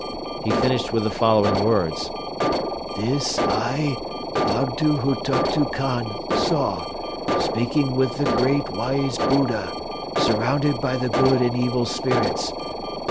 He finished with the following words: "This I, Bogdo Hutuktu Khan, saw, speaking with the great wise Buddha, surrounded by the good and evil spirits.